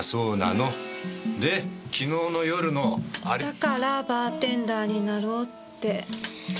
だからバーテンダーになろうって思った。